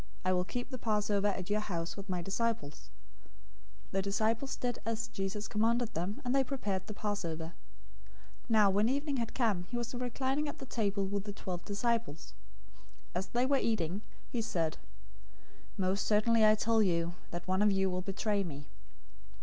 I will keep the Passover at your house with my disciples."'" 026:019 The disciples did as Jesus commanded them, and they prepared the Passover. 026:020 Now when evening had come, he was reclining at the table with the twelve disciples. 026:021 As they were eating, he said, "Most certainly I tell you that one of you will betray me."